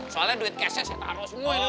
soalnya duit cash nya saya taruh semua di rumah